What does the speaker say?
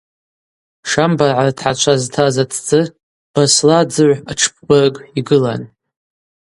Шамбаргӏа ртгӏачва зтаз атдзы Басла дзыгӏв атшпбырг йгылан.